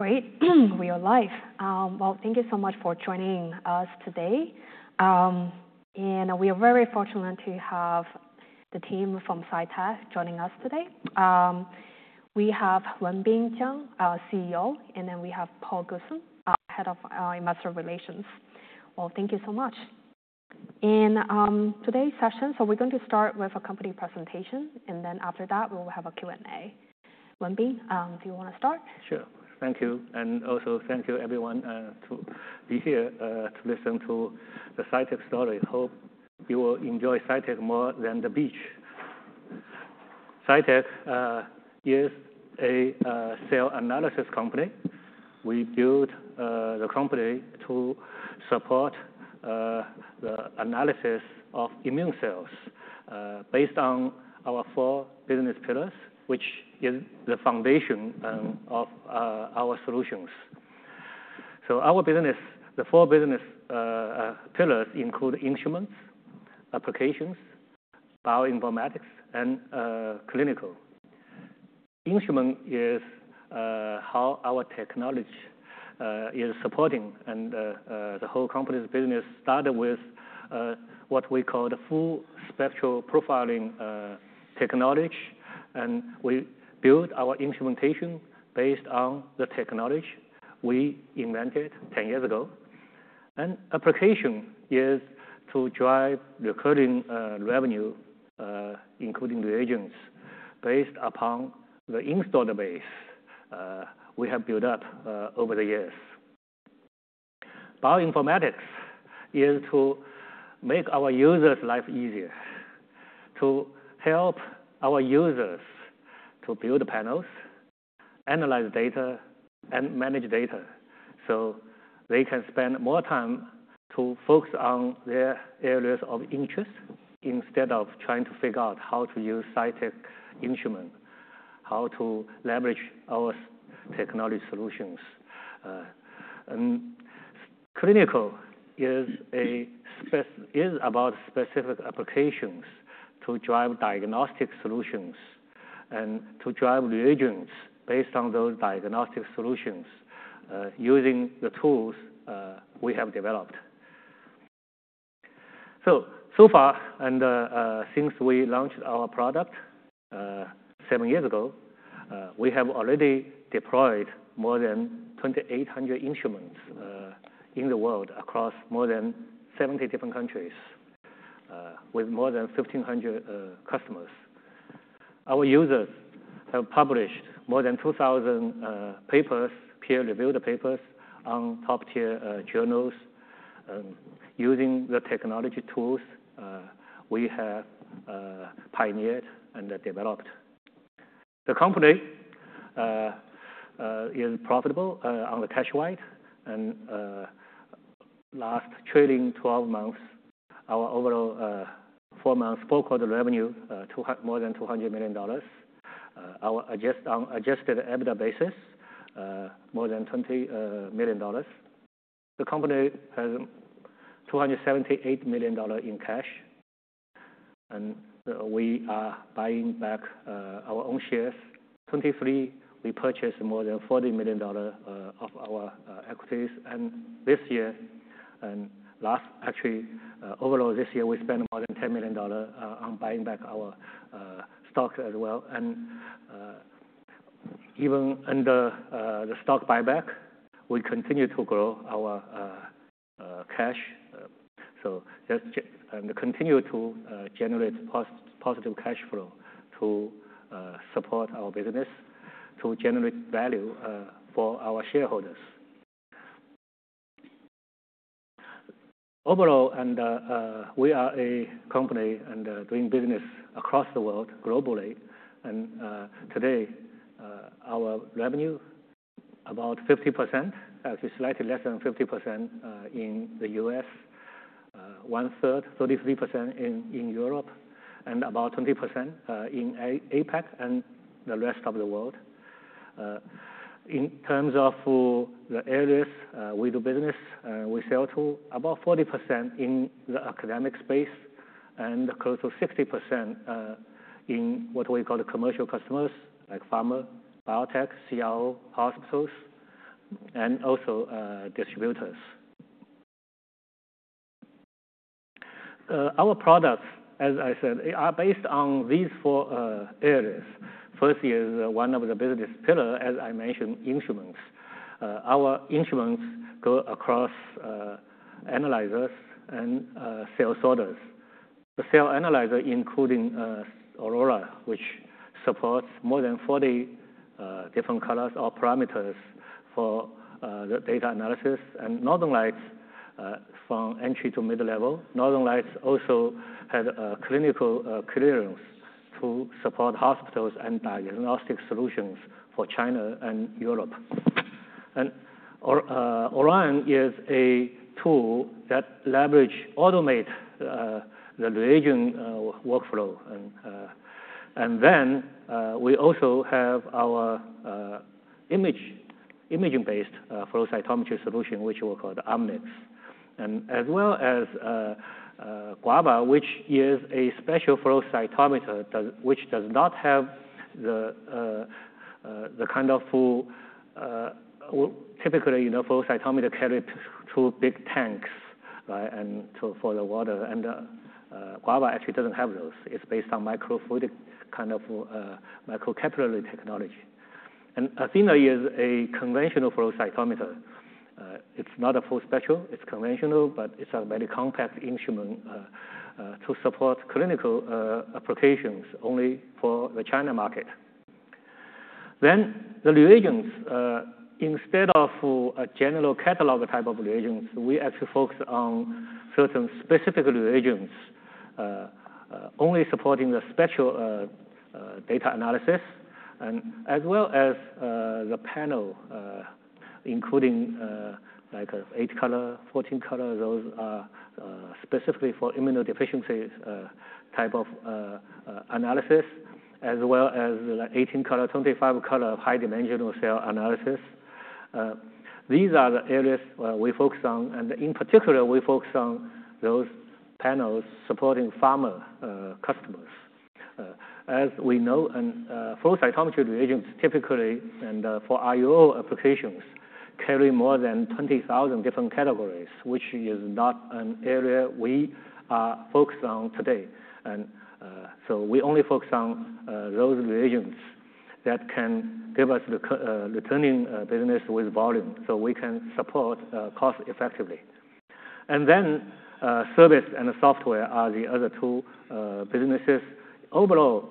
Great. We are live. Well, thank you so much for joining us today. And we are very fortunate to have the team from Cytek joining us today. We have Wenbin Jiang, CEO, and then we have Paul Goodson, head of Investor Relations. Well, thank you so much. And today's session, so we're going to start with a company presentation, and then after that, we will have a Q&A. Wenbin, do you wanna start? Sure. Thank you, and also thank you, everyone, to be here, to listen to the Cytek story. Hope you will enjoy Cytek more than the beach. Cytek is a cell analysis company. We build the company to support the analysis of immune cells based on our four business pillars, which is the foundation of our solutions. Our business's four business pillars include instruments, applications, bioinformatics, and clinical. Instrument is how our technology is supporting, and the whole company's business started with what we call the Full Spectrum Profiling technology. We build our instrumentation based on the technology we invented 10 years ago. Application is to drive recurring revenue, including reagents based upon the installed base we have built up over the years. Bioinformatics is to make our users' life easier, to help our users to build panels, analyze data, and manage data so they can spend more time to focus on their areas of interest instead of trying to figure out how to use Cytek instrument, how to leverage our technology solutions. And clinical aspect is about specific applications to drive diagnostic solutions and to drive reagents based on those diagnostic solutions, using the tools we have developed. So far, since we launched our product seven years ago, we have already deployed more than 2,800 instruments in the world across more than 70 different countries, with more than 1,500 customers. Our users have published more than 2,000 peer-reviewed papers on top-tier journals, using the technology tools we have pioneered and developed. The company is profitable on the cash-wise. In the last twelve months, our overall revenue is more than $200 million. Our Adjusted EBITDA is more than $20 million. The company has $278 million in cash. We are buying back our own shares. In 2023, we purchased more than $40 million of our equities. And this year, actually, overall this year, we spent more than $10 million on buying back our stock as well. Even under the stock buyback, we continue to grow our cash. So just continue to generate positive cash flow to support our business, to generate value for our shareholders. Overall, we are a company doing business across the world globally. Today, our revenue is about 50%, actually slightly less than 50%, in the U.S., one-third, 33% in Europe, and about 20% in APAC and the rest of the world. In terms of the areas we do business, we sell to about 40% in the academic space and close to 60% in what we call the commercial customers, like pharma, biotech, CRO, hospitals, and also distributors. Our products, as I said, are based on these four areas. First is one of the business pillars, as I mentioned, instruments. Our instruments go across analyzers and cell sorters. The cell analyzer, including Aurora, which supports more than 40 different colors or parameters for the data analysis and Northern Lights, from entry to mid-level. Northern Lights also had a clinical clearance to support hospitals and diagnostic solutions for China and Europe. Orion is a tool that leverages automation of the reagent workflow. Then we also have our imaging-based flow cytometry solution, which we call the Amnis. And as well as Guava, which is a special flow cytometer that does not have the kind of typically, you know, flow cytometer carried through big tanks, right, and the flow for the water. Guava actually doesn't have those. It's based on microfluidic kind of microcapillary technology. Athena is a conventional flow cytometer. It's not a full spectrum. It's conventional, but it's a very compact instrument to support clinical applications only for the China market. Then the reagents, instead of a general catalog type of reagents, we actually focus on certain specific reagents only supporting the spectral data analysis. And as well as the panel, including like eight-color, 14-color, those are specifically for immunodeficiency type of analysis, as well as the 18-color, 25-color high-dimensional cell analysis. These are the areas where we focus on. And in particular, we focus on those panels supporting pharma customers. As we know, flow cytometry reagents typically for IO applications carry more than 20,000 different categories, which is not an area we are focused on today. We only focus on those reagents that can give us the recurring business with volume so we can support cost-effectively. Service and software are the other two businesses. Overall,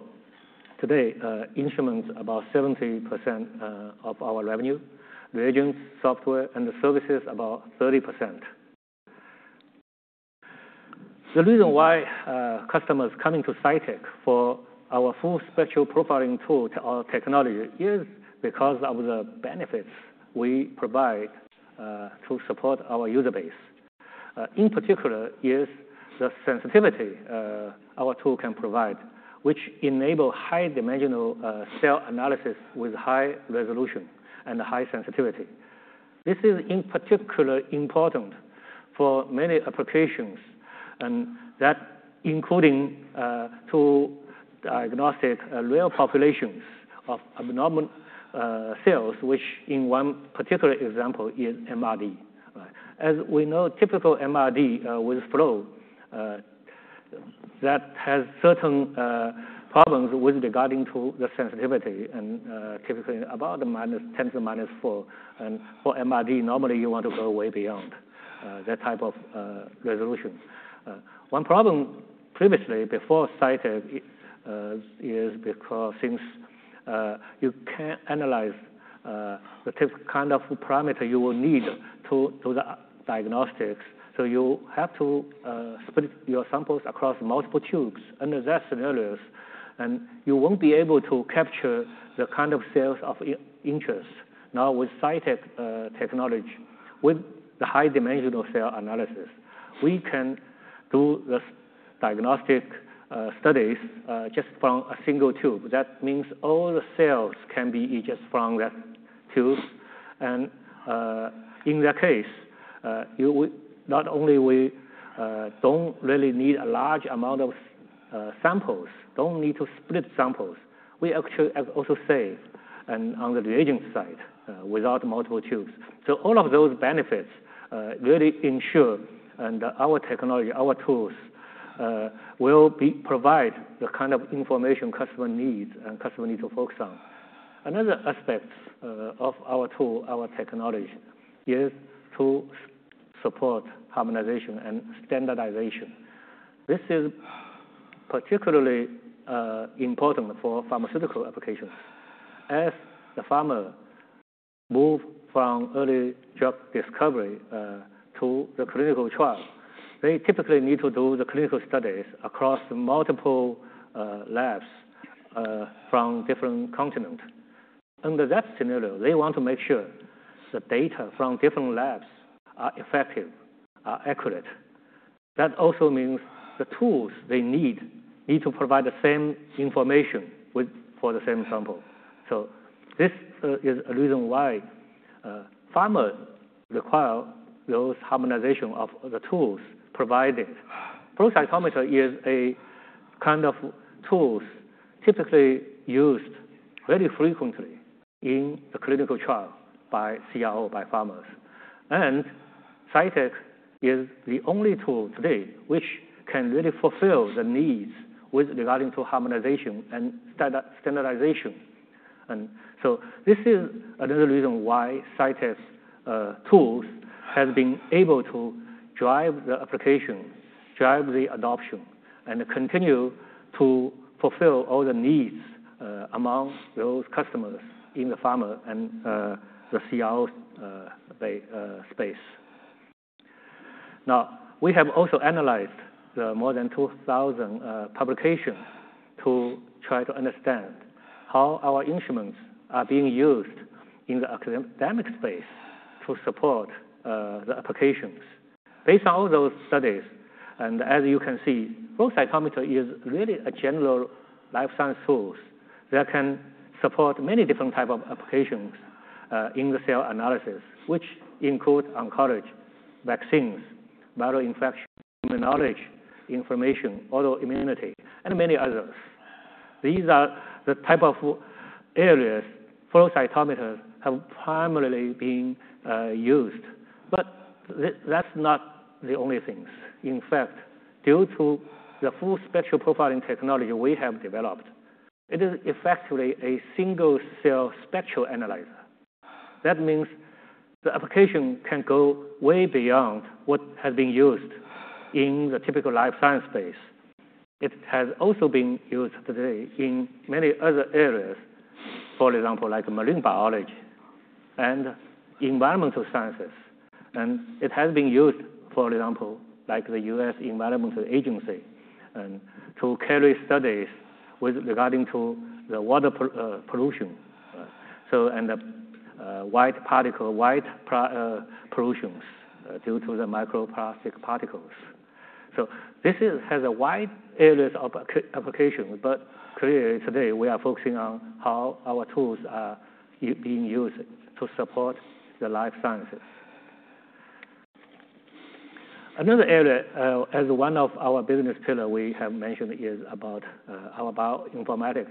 today, instruments about 70% of our revenue. Reagents, software, and the services about 30%. The reason why customers coming to Cytek for our full spectral profiling tool or technology is because of the benefits we provide to support our user base. In particular, is the sensitivity our tool can provide, which enable high-dimensional cell analysis with high resolution and high sensitivity. This is in particular important for many applications, and that including to diagnosing rare populations of abnormal cells, which in one particular example is MRD. Right? As we know, typical MRD with flow has certain problems with regard to the sensitivity and typically about minus 10 to the minus 4. For MRD, normally, you want to go way beyond that type of resolution. One problem previously before Cytek is because you can't analyze the typical kind of parameter you will need to do the diagnostics. So you have to split your samples across multiple tubes. Under that scenario, you won't be able to capture the kind of cells of interest. Now, with Cytek technology, with the high-dimensional cell analysis, we can do the diagnostic studies just from a single tube. That means all the cells can be just from that tube. And in that case, you would not only we don't really need a large amount of samples, don't need to split samples. We actually also say and on the reagent side, without multiple tubes. So all of those benefits really ensure and our technology, our tools, will be provide the kind of information customer needs and customer needs to focus on. Another aspect of our tool, our technology, is to support harmonization and standardization. This is particularly important for pharmaceutical applications. As the pharma move from early drug discovery to the clinical trial, they typically need to do the clinical studies across multiple labs from different continents. Under that scenario, they want to make sure the data from different labs are effective, are accurate. That also means the tools they need need to provide the same information with for the same sample. So this is a reason why pharma require those harmonization of the tools provided. Flow cytometer is a kind of tools typically used very frequently in the clinical trial by CRO, by pharmas, and Cytek is the only tool today which can really fulfill the needs with regarding to harmonization and standardization. And so this is another reason why Cytek's tools has been able to drive the application, drive the adoption, and continue to fulfill all the needs among those customers in the pharma and the CRO space. Now, we have also analyzed the more than 2,000 publications to try to understand how our instruments are being used in the academic space to support the applications. Based on all those studies, and as you can see, flow cytometer is really a general life science tools that can support many different type of applications in the cell analysis, which include oncology, vaccines, viral infection, immunology, inflammation, autoimmunity, and many others. These are the type of areas flow cytometers have primarily been used, but that's not the only things. In fact, due to the full spectral profiling technology we have developed, it is effectively a single-cell spectral analyzer. That means the application can go way beyond what has been used in the typical life science space. It has also been used today in many other areas, for example, like marine biology and environmental sciences, and it has been used, for example, like the U.S. Environmental Protection Agency, and to carry studies with regard to the water pollution, so and the white particle pollutions due to the microplastic particles. So this has a wide areas of application, but clearly today we are focusing on how our tools are being used to support the life sciences. Another area, as one of our business pillar we have mentioned is about our bioinformatics.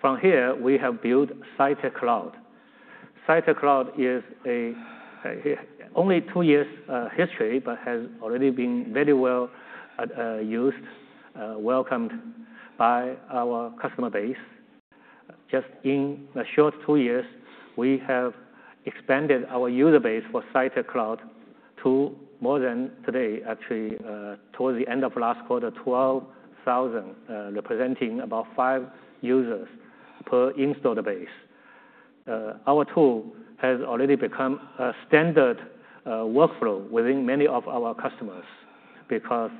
From here, we have built Cytek Cloud. Cytek Cloud is only two years history, but has already been very well used, welcomed by our customer base. Just in the short two years, we have expanded our user base for Cytek Cloud to more than, today actually, towards the end of last quarter, 12,000, representing about five users per installed base. Our tool has already become a standard workflow within many of our customers because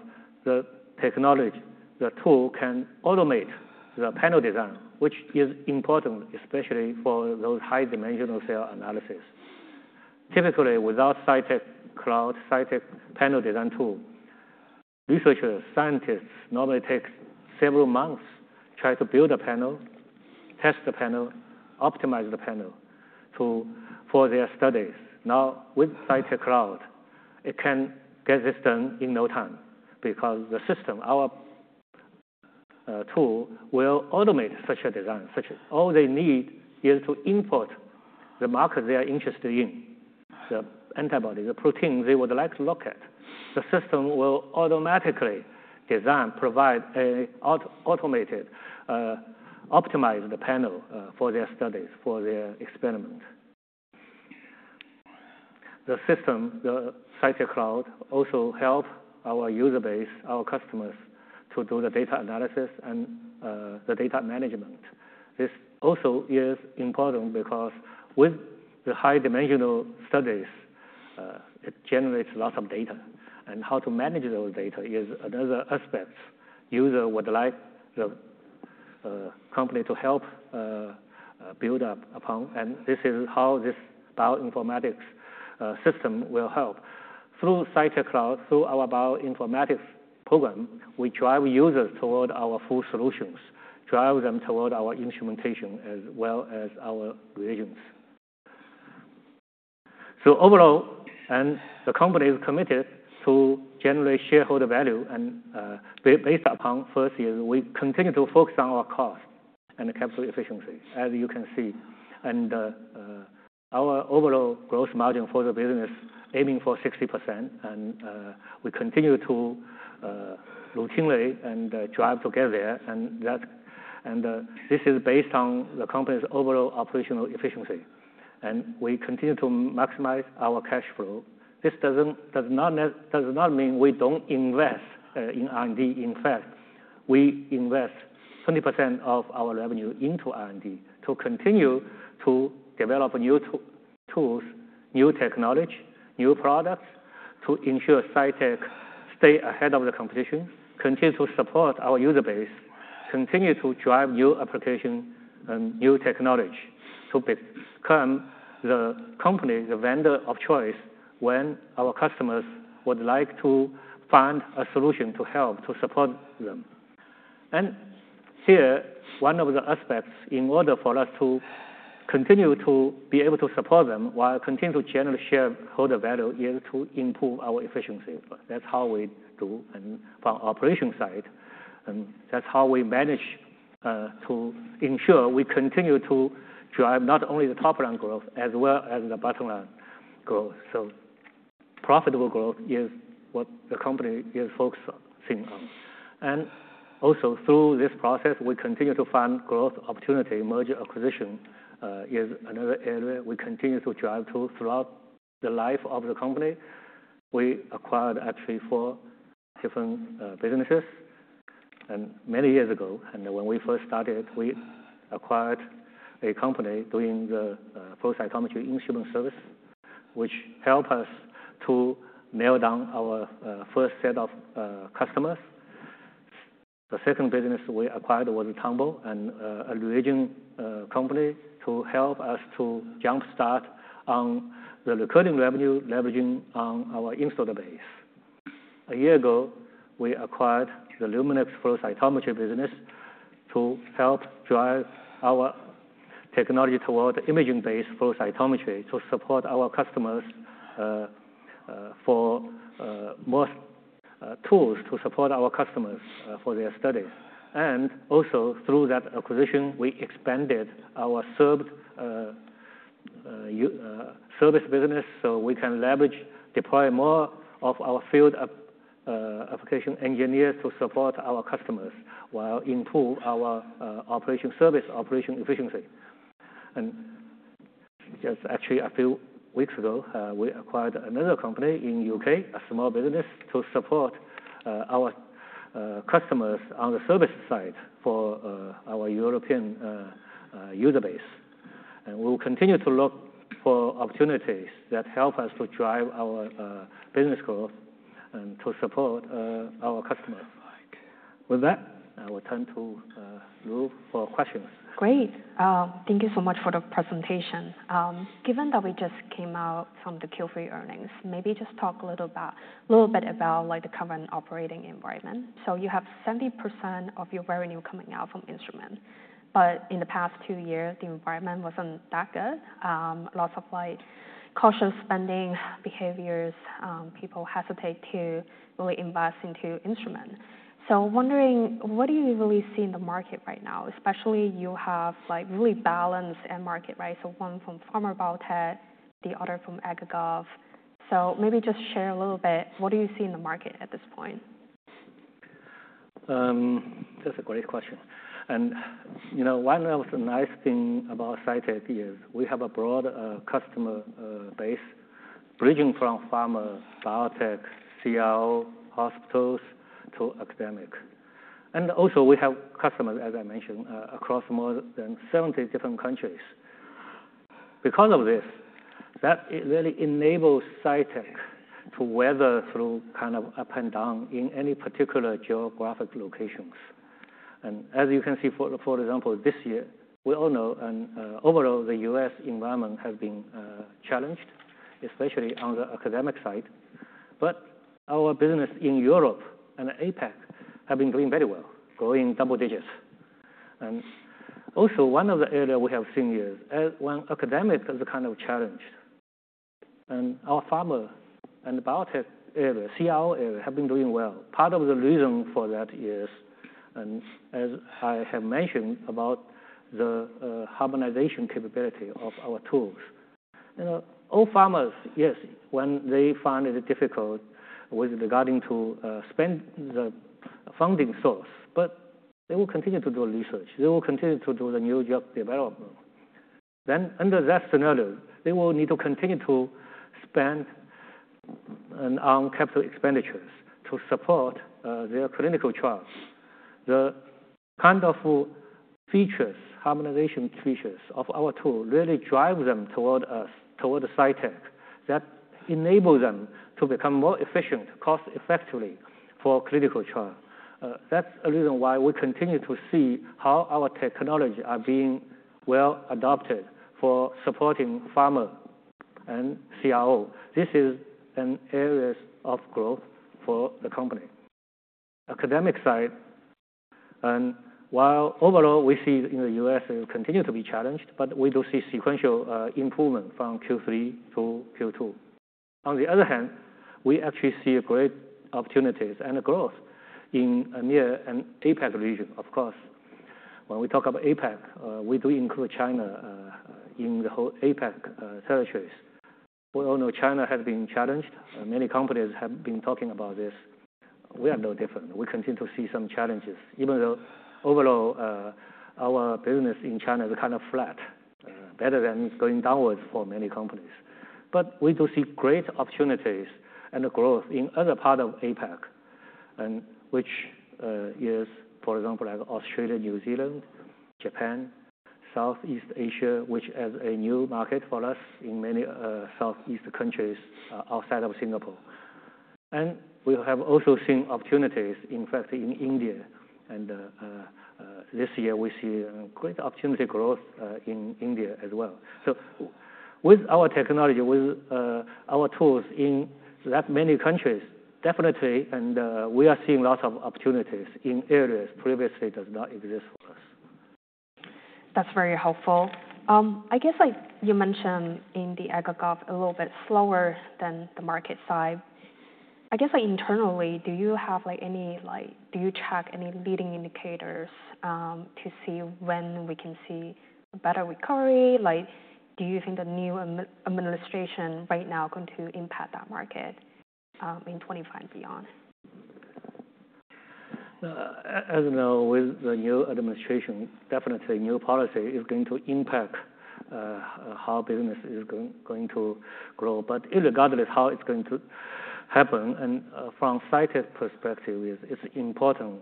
the technology, the tool can automate the panel design, which is important, especially for those high-dimensional cell analysis. Typically, without Cytek Cloud, Cytek panel design tool, researchers, scientists normally take several months trying to build a panel, test the panel, optimize the panel for their studies. Now, with Cytek Cloud, it can get this done in no time because the system, our tool will automate such a design. So all they need is to input the market they are interested in, the antibody, the protein they would like to look at. The system will automatically design, provide an automated, optimize the panel, for their studies, for their experiment. The system, the Cytek Cloud, also help our user base, our customers, to do the data analysis and the data management. This also is important because with the high-dimensional studies, it generates lots of data, how to manage those data is another aspect. Users would like the company to help build up upon. This is how this bioinformatics system will help. Through Cytek Cloud, through our bioinformatics program, we drive users toward our full solutions, drive them toward our instrumentation as well as our reagents. Overall, the company is committed to generate shareholder value. Based upon first is we continue to focus on our cost and capital efficiency, as you can see. Our overall gross margin for the business aiming for 60%. We continue to routinely drive to get there. This is based on the company's overall operational efficiency. We continue to maximize our cash flow. This does not mean we don't invest in R&D. In fact, we invest 20% of our revenue into R&D to continue to develop new tools, new technology, new products to ensure Cytek stay ahead of the competition, continue to support our user base, continue to drive new application and new technology to become the company, the vendor of choice when our customers would like to find a solution to help to support them. And here, one of the aspects in order for us to continue to be able to support them while continue to generally shareholder value is to improve our efficiency. That's how we do and from operation side. And that's how we manage to ensure we continue to drive not only the top line growth as well as the bottom line growth. So profitable growth is what the company is focusing on. And also, through this process, we continue to find growth opportunity. Merger acquisition is another area we continue to drive to throughout the life of the company. We acquired actually four different businesses many years ago. And when we first started, we acquired a company doing the flow cytometry instrument service, which helped us to nail down our first set of customers. The second business we acquired was Tonbo, a reagent company to help us to jumpstart on the recurring revenue leveraging on our installed base. A year ago, we acquired the Luminex flow cytometry business to help drive our technology toward the imaging-based flow cytometry to support our customers for most tools to support our customers for their studies. And also, through that acquisition, we expanded our service business so we can leverage, deploy more of our field application engineers to support our customers while improve our operation service operation efficiency. And just actually a few weeks ago, we acquired another company in the U.K., a small business, to support our customers on the service side for our European user base. And we'll continue to look for opportunities that help us to drive our business growth and to support our customers. With that, I will turn to Lou for questions. Great. Thank you so much for the presentation. Given that we just came out from the Q3 earnings, maybe just talk a little bit about, like, the current operating environment. So you have 70% of your revenue coming out from instruments. But in the past two years, the environment wasn't that good. Lots of, like, cautious spending behaviors. People hesitate to really invest into instruments. So I'm wondering, what do you really see in the market right now? Especially, you have, like, really balanced end market, right? So one from pharma biotech, the other from Acad/Gov. So maybe just share a little bit. What do you see in the market at this point? That's a great question. You know, one of the nice things about Cytek is we have a broad customer base bridging from pharma, biotech, CRO, hospitals to academic. And also, we have customers, as I mentioned, across more than 70 different countries. Because of this, that it really enables Cytek to weather through kind of up and down in any particular geographic locations. And as you can see, for example, this year, we all know, and, overall, the U.S. environment has been, challenged, especially on the academic side. But our business in Europe and APAC have been doing very well, growing double digits. And also, one of the areas we have seen is, as when academic is kind of challenged, and our pharma and biotech area, CRO area, have been doing well. Part of the reason for that is, and as I have mentioned about the, harmonization capability of our tools. You know, all pharmas, yes, when they find it difficult with regarding to, spend the funding source, but they will continue to do research. They will continue to do the new drug development. Then, under that scenario, they will need to continue to spend and on capital expenditures to support, their clinical trials. The kind of features, harmonization features of our tool really drive them toward us, toward Cytek. That enables them to become more efficient, cost-effectively for clinical trial. That's a reason why we continue to see how our technology are being well adopted for supporting pharma and CRO. This is an area of growth for the company. Academic side, and while overall we see in the US, we continue to be challenged, but we do see sequential, improvement from Q3 to Q2. On the other hand, we actually see great opportunities and growth in an APAC region, of course. When we talk about APAC, we do include China in the whole APAC territories. We all know China has been challenged. Many companies have been talking about this. We are no different. We continue to see some challenges, even though overall, our business in China is kind of flat, better than going downwards for many companies. But we do see great opportunities and growth in other parts of APAC, which is, for example, like Australia, New Zealand, Japan, Southeast Asia, which has a new market for us in many Southeast countries, outside of Singapore. This year, we see a great opportunity growth in India as well. So with our technology with our tools in that many countries definitely and we are seeing lots of opportunities in areas previously do not exist for us. That's very helpful. I guess like you mentioned in the ag-gov a little bit slower than the market side. I guess like internally do you have like any like do you track any leading indicators to see when we can see a better recovery? Like do you think the new administration right now going to impact that market in 2025 and beyond? As you know with the new administration definitely new policy is going to impact how business is going to grow. But irregardless how it's going to happen and from Cytek's perspective it's important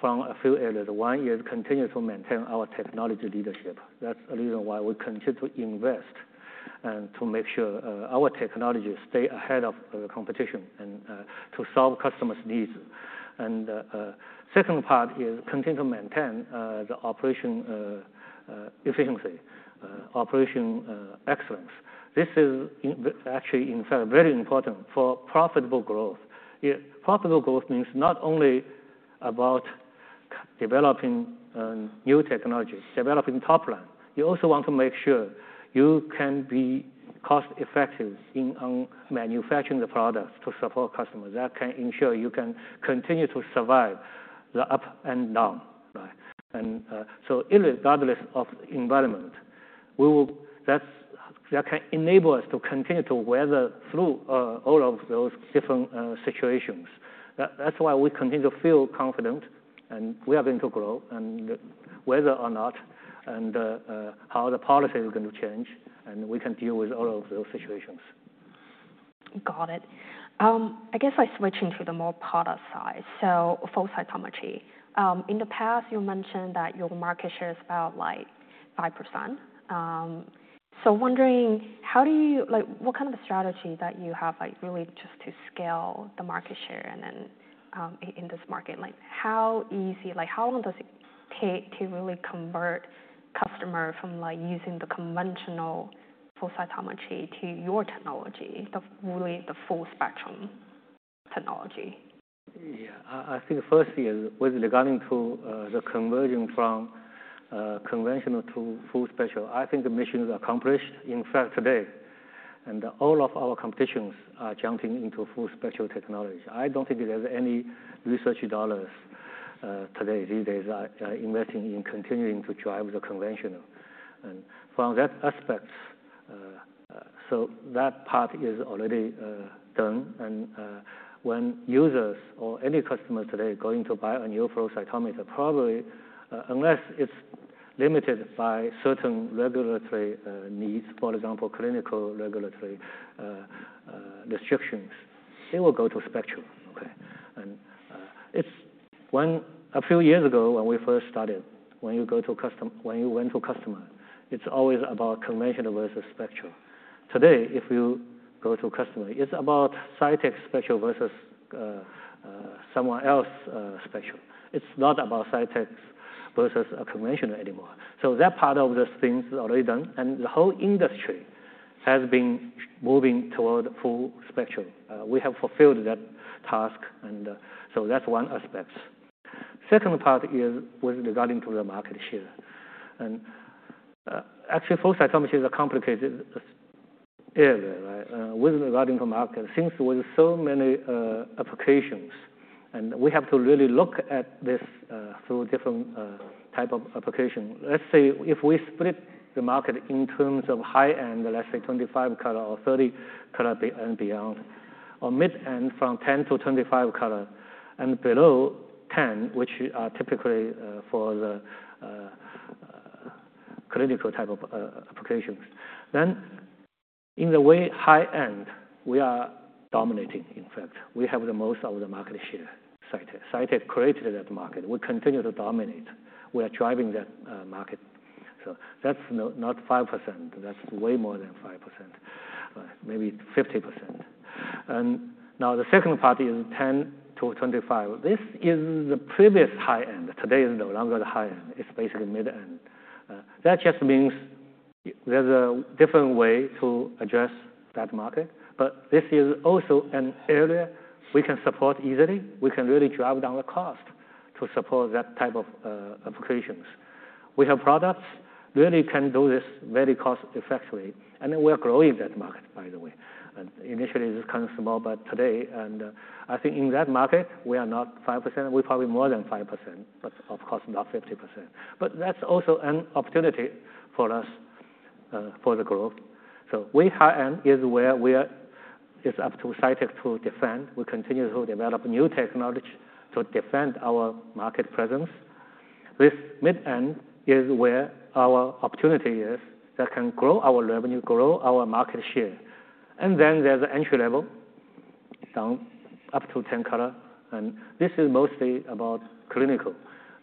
from a few areas. One is continue to maintain our technology leadership. That's a reason why we continue to invest and to make sure our technology stay ahead of the competition and to solve customers' needs. The second part is continue to maintain the operation efficiency, operation excellence. This is actually, in fact, very important for profitable growth. Profitable growth means not only about developing new technology, developing top line. You also want to make sure you can be cost-effective in manufacturing the products to support customers. That can ensure you can continue to survive the up and down, right? So irregardless of the environment, we will that's that can enable us to continue to weather through all of those different situations. That's why we continue to feel confident, and we are going to grow, and whether or not and how the policy is going to change, and we can deal with all of those situations. Got it.I guess, like, switching to the more product side, so flow cytometry, in the past, you mentioned that your market share is about, like, 5%, so wondering, how do you, like, what kind of a strategy that you have, like, really just to scale the market share and then, in this market? Like, how easy, like, how long does it take to really convert customers from, like, using the conventional flow cytometry to your technology, the really the full spectrum technology? Yeah. I, I think first year with regard to, the converting from, conventional to full spectrum, I think the mission is accomplished, in fact, today. And all of our competitors are jumping into full spectrum technology. I don't think there's any research dollars, today, these days, investing in continuing to drive the conventional. And from that aspect, so that part is already, done. And when users or any customers today are going to buy a new flow cytometer, probably, unless it's limited by certain regulatory needs, for example, clinical regulatory restrictions, they will go to spectrum, okay? And it's when a few years ago, when we first started, when you go to customer, when you went to customer, it's always about conventional versus spectrum. Today, if you go to customer, it's about Cytek spectrum versus someone else's spectrum. It's not about Cytek versus a conventional anymore. So that part of the thing is already done. And the whole industry has been moving toward full spectrum. We have fulfilled that task. And so that's one aspect. Second part is with regard to the market share. And actually, flow cytometry is a complicated area, right? With regard to the market, since with so many applications, and we have to really look at this through different type of application. Let's say if we split the market in terms of high end, let's say 25 color or 30 color and beyond, or mid end from 10 to 25 color and below 10, which are typically for the clinical type of applications. Then, in the high end, we are dominating, in fact. We have the most of the market share. Cytek, Cytek created that market. We continue to dominate. We are driving that market. So that's not 5%. That's way more than 5%, maybe 50%. And now the second part is 10 to 25. This is the previous high end. Today is no longer the high end. It's basically mid end. That just means there's a different way to address that market. But this is also an area we can support easily. We can really drive down the cost to support that type of applications. We have products really can do this very cost-effectively. And then we are growing that market, by the way. And initially, it's kind of small, but today, I think in that market, we are not 5%. We're probably more than 5%, but of course, not 50%. But that's also an opportunity for us, for the growth. So the high-end is where we are. It's up to Cytek to defend. We continue to develop new technology to defend our market presence. This mid-end is where our opportunity is that can grow our revenue, grow our market share. And then there's an entry level down up to 10-color. And this is mostly about clinical.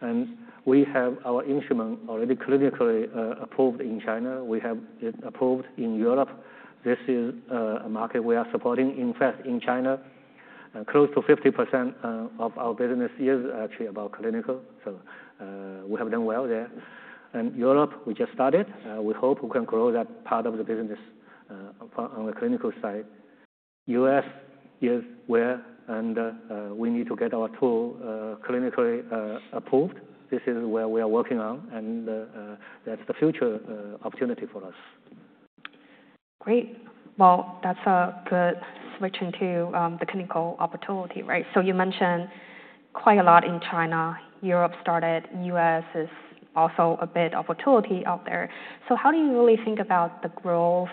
And we have our instrument already clinically approved in China. We have it approved in Europe. This is a market we are supporting. In fact, in China, close to 50% of our business is actually about clinical. So we have done well there. Europe, we just started. We hope we can grow that part of the business on the clinical side. The U.S. is where we need to get our tool clinically approved. This is where we are working on. That's the future opportunity for us. Great. Well, that's a good switch into the clinical opportunity, right? So you mentioned quite a lot in China. Europe started. The U.S. is also a big opportunity out there. So how do you really think about the growth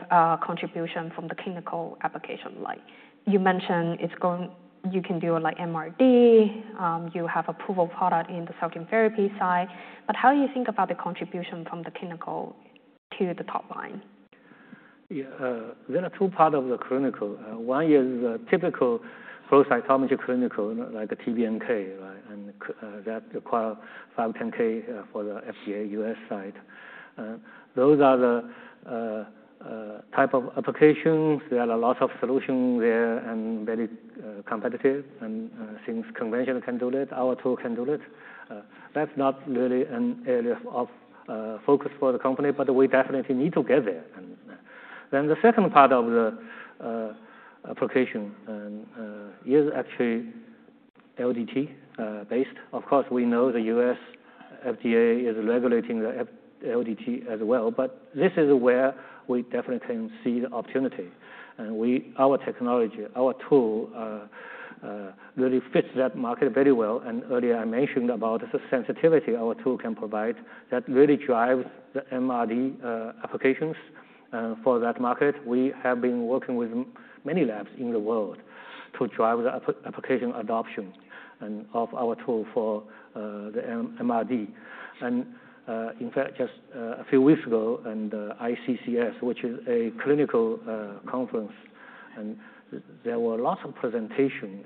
contribution from the clinical application? Like, you mentioned it's going. You can do, like, MRD. You have approved product in the cell-immunotherapy side. But how do you think about the contribution from the clinical to the top line? Yeah. There are two parts of the clinical. One is a typical flow cytometry clinical, like a TBNK, right? And that require 510(k) for the FDA U.S. side. Those are the type of applications. There are lots of solutions there and very competitive. And since conventional can do it, our tool can do it. That's not really an area of focus for the company, but we definitely need to get there. And then the second part of the application is actually LDT-based. Of course, we know the U.S. FDA is regulating the LDT as well. But this is where we definitely can see the opportunity. And our technology, our tool, really fits that market very well. Earlier, I mentioned about the sensitivity our tool can provide that really drives the MRD applications for that market. We have been working with many labs in the world to drive the application adoption of our tool for the MRD. In fact, just a few weeks ago at the ICCS, which is a clinical conference, there were lots of presentations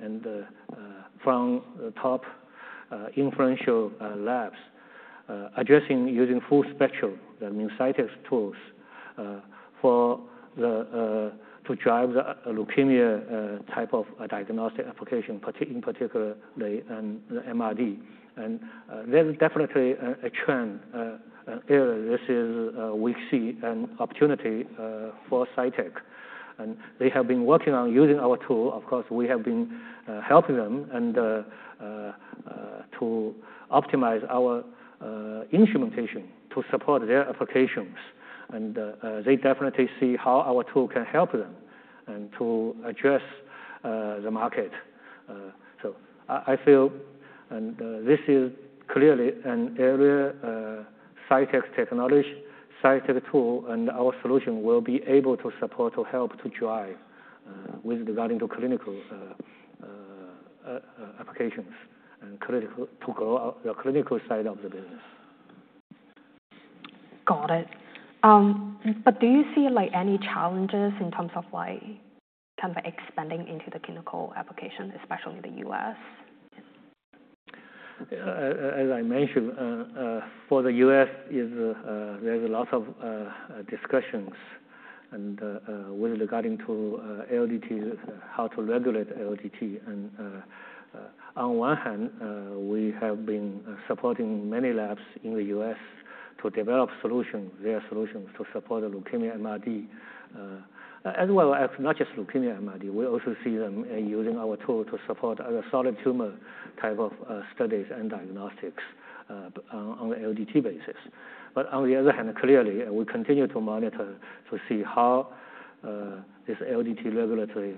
from the top reference labs addressing using full spectrum, that means Cytek's tools, to drive the leukemia type of diagnostic application, in particular the MRD. There's definitely a trend area. We see an opportunity for Cytek. They have been working on using our tool. Of course, we have been helping them to optimize our instrumentation to support their applications. They definitely see how our tool can help them to address the market. I feel, and this is clearly an area. Cytek technology, Cytek tool, and our solution will be able to support, to help, to drive with regard to clinical applications and clinical to grow the clinical side of the business. Got it. But do you see, like, any challenges in terms of, like, kind of expanding into the clinical application, especially the U.S.? As I mentioned, for the U.S., there's lots of discussions. And with regard to LDT, how to regulate LDT. And on one hand, we have been supporting many labs in the U.S. to develop solutions, their solutions to support leukemia MRD, as well as not just leukemia MRD. We also see them using our tool to support other solid tumor type of studies and diagnostics, on the LDT basis. But on the other hand, clearly, we continue to monitor to see how this LDT regulatory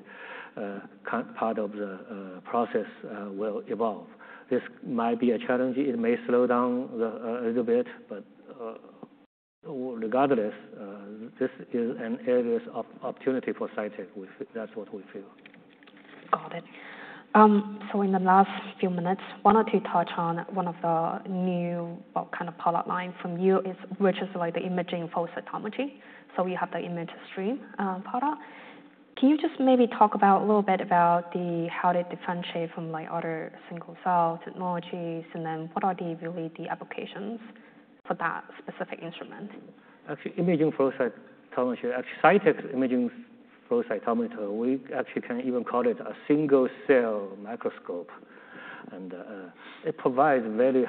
part of the process will evolve. This might be a challenge. It may slow down a little bit. But, regardless, this is an area of opportunity for Cytek. We feel that's what we feel. Got it. So in the last few minutes, wanted to touch on one of the new, well, kind of product line from you is, which is like the imaging flow cytometry. So you have the ImageStream product. Can you just maybe talk about a little bit about how they differentiate from, like, other single-cell technologies? And then what are really the applications for that specific instrument? Actually, imaging flow cytometry, actually, Cytek's imaging flow cytometer, we actually can even call it a single-cell microscope. And it provides very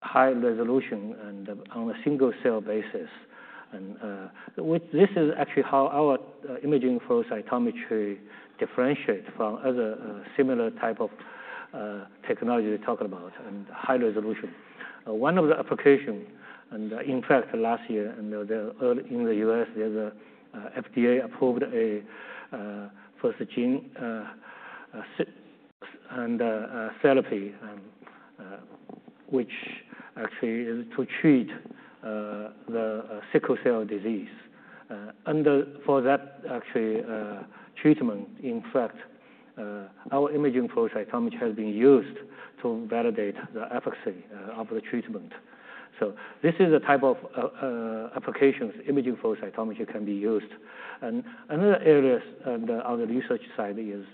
high resolution and on a single-cell basis. This is actually how our imaging flow cytometry differentiates from other, similar type of, technology we're talking about and high resolution. One of the applications, and in fact, last year there were already in the U.S., the FDA approved the first gene therapy, which actually is to treat the sickle cell disease. And for that treatment, in fact, our imaging flow cytometry has been used to validate the efficacy of the treatment. This is the type of applications imaging flow cytometry can be used. Another area on the research side is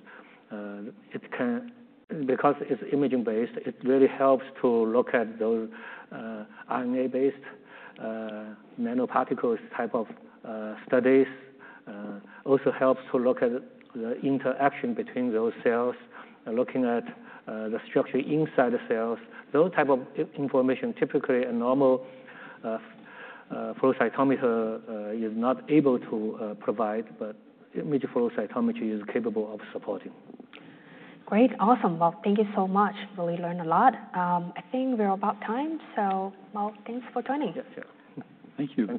it can because it's imaging-based, it really helps to look at those RNA-based nanoparticles type of studies. It also helps to look at the interaction between those cells, looking at the structure inside the cells. Those types of information typically a normal flow cytometer is not able to provide, but image flow cytometry is capable of supporting. Great. Awesome. Well, thank you so much. Really learned a lot. I think we're about time. So, well, thanks for joining. Yeah. Thank you.